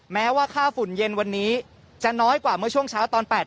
แม้ว่าค่าฝุ่นเย็นวันนี้จะน้อยกว่าเมื่อช่วงเช้าตอน๘๐